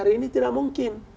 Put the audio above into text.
itu tidak mungkin